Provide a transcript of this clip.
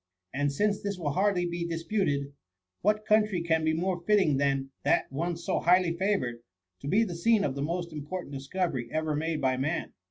And since this will hardly be dis puted, what country can be more fitting than THE M0MMY. 109 that once so highly favoured, to be the scene of the most important discovery ever made by Man?'